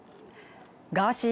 ガーシー